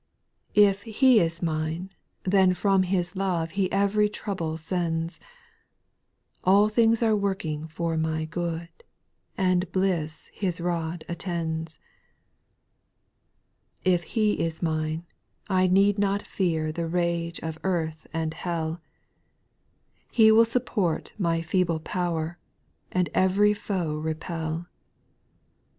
72 SPIRITUAL SONGS. 2..' If He is mine, then from His love He every trouble sends ; All things are working for my good, And bliss His rod attends, a 3. If He is mine, I need not fear The rage of earth and hell ; He will support my feeble power, And every foe repel.